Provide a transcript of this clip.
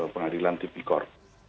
pengadilan di bikor